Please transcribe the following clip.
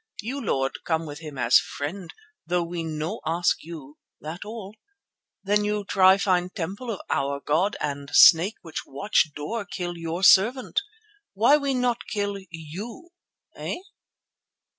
You, Lord, come with him as friend though we no ask you, that all. Then you try find temple of our god and snake which watch door kill your servant. Why we not kill you, eh?"